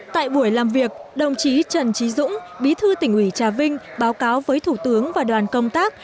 tại buổi làm việc đồng chí trần trí dũng bí thư tỉnh ủy trà vinh báo cáo với thủ tướng và đoàn công tác